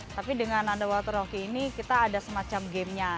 tapi dengan underwater hoki ini kita ada semacam gamenya